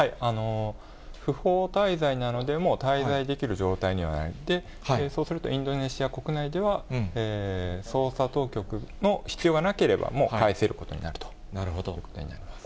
不法滞在なので、滞在できる状態にはなくて、そうすると、インドネシア国内では、捜査当局の必要がなければ、もう返せることになるということになります。